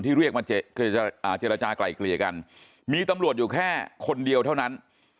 เรียกมาเจรจากลายเกลี่ยกันมีตำรวจอยู่แค่คนเดียวเท่านั้น